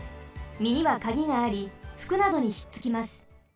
みにはカギがありふくなどにひっつきます。